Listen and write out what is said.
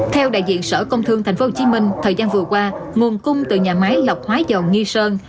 theo đại diện sở công thương tp hcm thời gian vừa qua nguồn cung từ nhà máy lọc hóa dầu nghi sơn